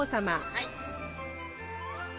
はい。